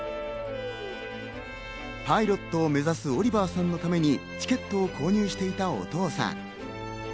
パイロットを目指すオリバーさんのためにチケットを購入していたお父さん。